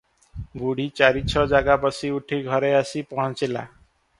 ବୁଢ଼ୀ ଚାରି ଛ ଜାଗା ବସି ଉଠି ଘରେ ଆସି ପହଞ୍ଚିଲା ।